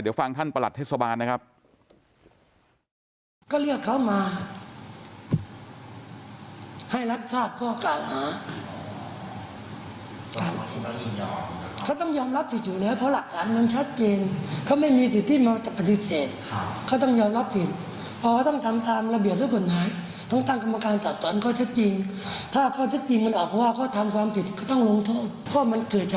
เดี๋ยวฟังท่านประหลัดเทศบาลนะครับ